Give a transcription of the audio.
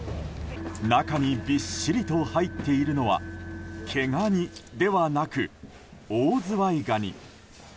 中にびっしりと入っているのは毛ガニではなくオオズワイガニ。